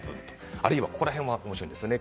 あるいはここら辺が面白いんですね。